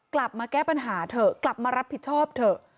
กลับมาแก้ปัญหาเถอะกลับมารับผิดชอบเถอะ